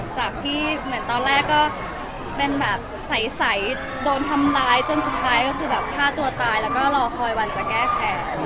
จากที่เหมือนตอนแรกก็เป็นแบบใสโดนทำร้ายจนสุดท้ายก็คือแบบฆ่าตัวตายแล้วก็รอคอยวันจะแก้แขน